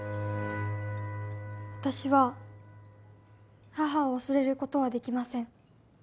私は母を忘れることはできません。